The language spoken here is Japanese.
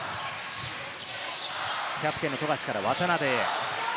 キャプテン・富樫から渡邊へ。